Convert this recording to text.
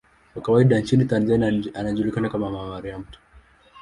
Kwa kawaida nchini Tanzania anajulikana kama 'Mama Maria' tu.